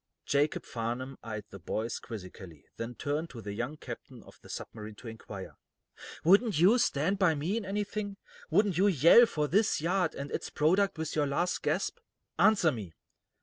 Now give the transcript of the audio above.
Jacob Farnum eyed the boys quizzically, then turned to the young captain of the submarine to inquire: "Wouldn't you stand by me in anything? Wouldn't you yell for this yard and its product with your last gasp? Answer me."